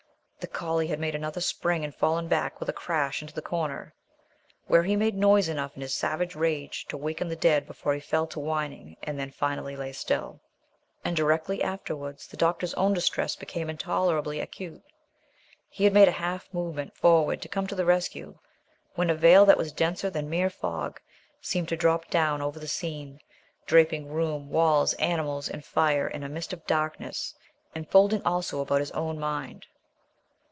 The collie had made another spring and fallen back with a crash into the corner, where he made noise enough in his savage rage to waken the dead before he fell to whining and then finally lay still. And directly afterwards the doctor's own distress became intolerably acute. He had made a half movement forward to come to the rescue when a veil that was denser than mere fog seemed to drop down over the scene, draping room, walls, animals and fire in a mist of darkness and folding also about his own mind.